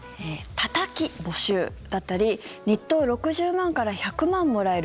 たたき募集だったり日当６０万から１００万もらえる